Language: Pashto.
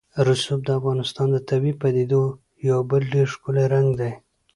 رسوب د افغانستان د طبیعي پدیدو یو بل ډېر ښکلی رنګ دی.